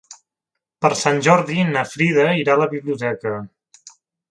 Per Sant Jordi na Frida irà a la biblioteca.